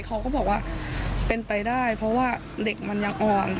เขาก็บอกว่าเป็นไปได้เพราะว่าเด็กมันยังอ่อน